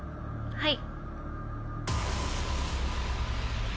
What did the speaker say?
はい。